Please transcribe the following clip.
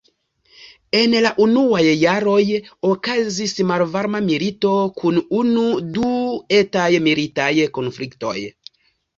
En la unuaj jaroj okazis malvarma milito kun unu-du etaj militaj konfliktoj.